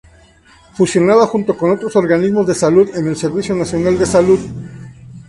Fusionada, junto con otros organismos de salud en el Servicio Nacional de Salud.